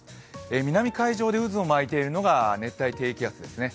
南海上で渦を巻いているのが熱帯低気圧ですね。